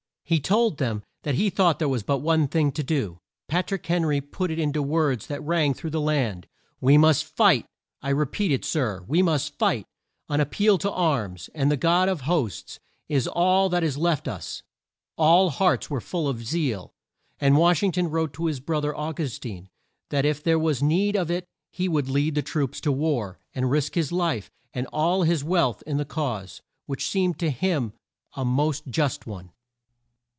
He told them that he thought there was but one thing to do. Pat rick Hen ry put it in to words that rang through the land: "We must fight! I repeat it, Sir, we must fight! An ap peal to arms, and the God of hosts, is all that is left us!" All hearts were full of zeal; and Wash ing ton wrote to his bro ther, Au gus tine, that if there was need of it he would lead troops to war, and risk his life and all his wealth in the cause, which seemed to him a most just one.